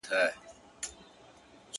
خو اووه زره کلونه، غُلامي درته په کار ده~~